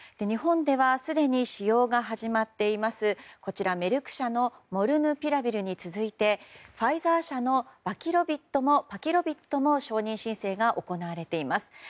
日本ではすでに使用が始まっているこちらメルク社のモルヌピラビルに続いてファイザー社のパキロビッドも承認申請が行われています。